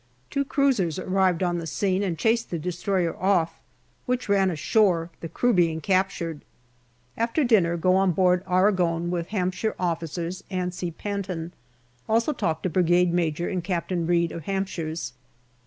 Two cruisers arrived on the scene and chased the destroyer off, which ran ashore, the crew being captured. After dinner go on board Aragon with Hampshire officers and see Pant on. Also talk to Brigade Major and Captain Reid, of Hampshires.